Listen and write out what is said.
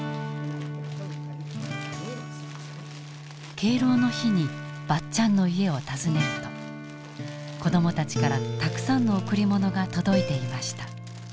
敬老の日にばっちゃんの家を訪ねると子どもたちからたくさんの贈り物が届いていました。